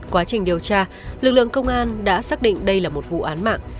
quá trình điều tra lực lượng công an đã xác định đây là một vụ án mạng